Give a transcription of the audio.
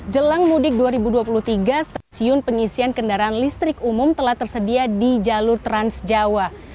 jelang mudik dua ribu dua puluh tiga stasiun pengisian kendaraan listrik umum telah tersedia di jalur transjawa